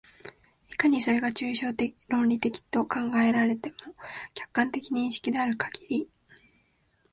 いかにそれが抽象論理的と考えられても、客観的認識であるかぎり、